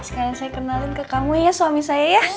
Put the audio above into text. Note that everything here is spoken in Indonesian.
sekarang saya kenalin ke kamu ya suami saya ya